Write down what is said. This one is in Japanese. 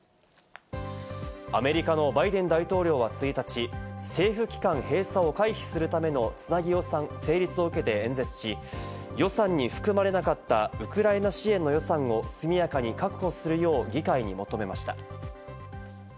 アメリカのバイデン大統領は１日、政府機関閉鎖を回避するためのつなぎ予算成立を受けて演説し、予算に含まれなかったウクライナ支援の予算を速やかに確保するよう議会に求めました。